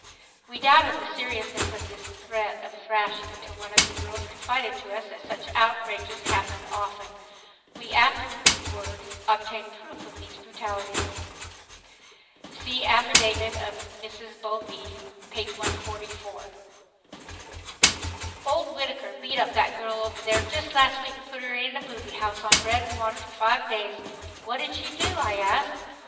We doubted the seriousness of this threat of thrashing until one of the girls confided to us that such outrages happened often. We afterward obtained proof of these brutalities. See affidavit of Mrs. Bovee, page 144. "Old Whittaker beat up that girl over there just last week and put her in the 'booby' house on bread and water for five days." "What did she do?" I asked.